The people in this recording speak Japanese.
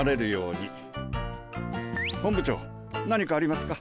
本部長何かありますか？